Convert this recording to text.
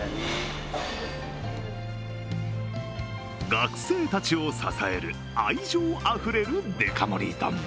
学生たちを支える愛情あふれるデカ盛り丼。